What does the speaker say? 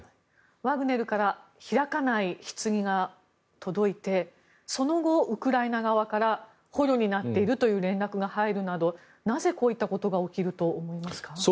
ワグネルから開かないひつぎが届いてその後、ウクライナ側から捕虜になっているという連絡が入るなど、なぜこういったことが起きると思いますか？